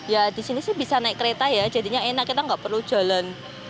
ya di sini sih bisa naik kereta ya jadinya enak kita nggak perlu jalan